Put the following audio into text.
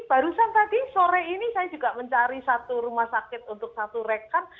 barusan tadi sore ini saya juga mencari satu rumah sakit untuk satu rekan